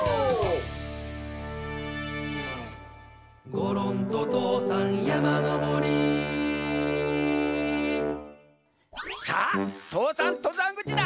「ごろんととうさんやまのぼり」さあ父山とざんぐちだ。